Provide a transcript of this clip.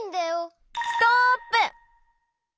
ストップ！